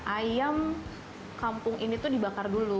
ayam kampung ini tuh dibakar dulu